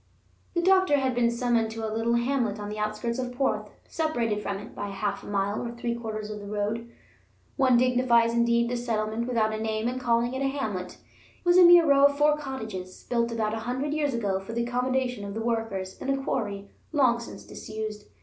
The doctor had been summoned to a little hamlet on the outskirts of Porth, separated from it by half a mile or three quarters of road. One dignifies, indeed, this settlement without a name in calling it a hamlet; it was a mere row of four cottages, built about a hundred years ago for the accommodation of the workers in a quarry long since disused.